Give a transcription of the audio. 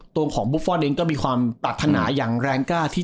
ตัวของบุฟฟอลเองก็มีความปรารถนาอย่างแรงกล้าที่